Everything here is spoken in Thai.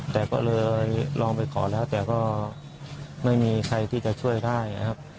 แต่ก็เลยลองไปขอแล้วแต่ก็ไม่มีใครที่จะช่วยได้นะครับ